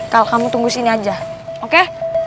kalau kamu tunggu sini aja oke